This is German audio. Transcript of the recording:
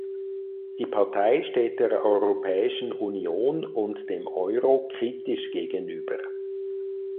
Die Partei steht der Europäischen Union und dem Euro kritisch gegenüber.